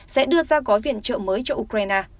sẽ đưa ra gói viện trợ mới cho ukraine